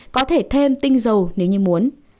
có thể thêm tinh dầu nếu như muốn